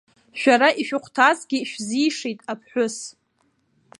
Шәара ишәыхәҭазгьы шәзишеит, аԥҳәыс!